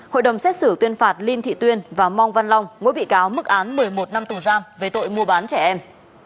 hội đồng xét xử tuyên phạt linh thị tuyên và mong văn long mỗi bị cáo mức án một mươi một năm tù giam về tội mua bán trẻ em